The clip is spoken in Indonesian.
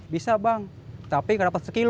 bisa bang tapi gak dapet sekilo